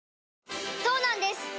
そうなんです